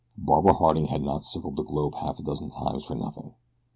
Barbara Harding had not circled the globe half a dozen times for nothing.